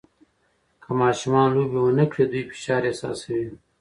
که ماشومان لوبې نه وکړي، دوی فشار احساسوي.